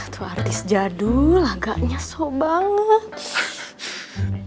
tuh artis jadul laganya so banget